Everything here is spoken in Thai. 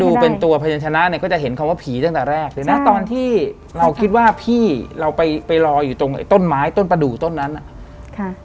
ดูเป็นตัวพยานชนะเนี่ยก็จะเห็นคำว่าผีตั้งแต่แรกเลยนะตอนที่เราคิดว่าพี่เราไปไปรออยู่ตรงไอ้ต้นไม้ต้นประดูกต้นนั้นอ่ะค่ะ